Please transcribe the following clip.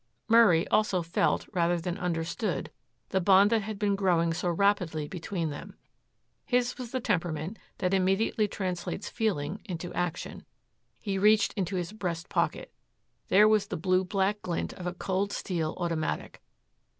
Murray also felt rather than understood the bond that had been growing so rapidly between them. His was the temperament that immediately translates feeling into action. He reached into his breast pocket. There was the blue black glint of a cold steel automatic.